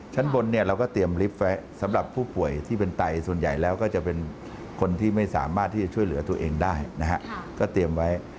ช่วยเหลือตัวเองได้นะครับก็เตรียมไว้